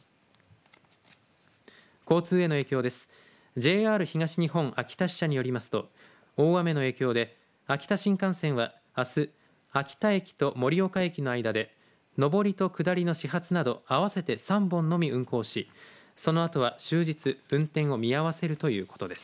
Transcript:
ＪＲ東日本秋田支社によりますと大雨の影響で秋田新幹線は、あす秋田駅と盛岡駅の間で上りと下りの始発など合わせて３本のみ運行しそのあとは終日、運転を見合わせるということです。